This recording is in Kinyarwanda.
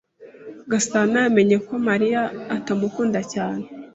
Gasana yamenye ko Mariya atamukunda cyane.